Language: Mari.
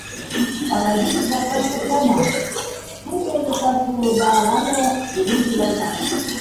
Палаги ик жаплан шыплана, шуко ойлышаш уло да ала-мо, кугун шӱлалта.